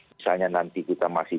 misalnya nanti kita masih